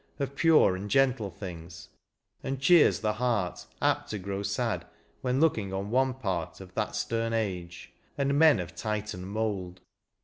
Of pure and gentle things, and cheers the heart Apt to grow sad when looking on one part Of that stem ajge, and men of Titan mould.